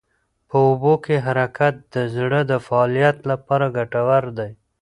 په اوبو کې حرکت د زړه د فعالیت لپاره ګټور دی.